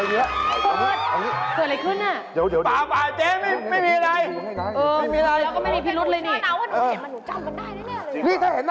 หนูว่าหนูจำได้นิหนูถ้าโทรไทย